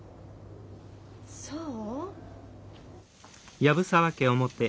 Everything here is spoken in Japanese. そう？